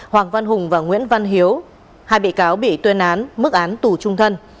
hoàng văn hùng và nguyễn văn hiếu hai bị cáo bị tuyên án mức án tù trung thân